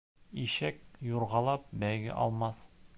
Ишәк, юрғалап, бәйге алмаҫ.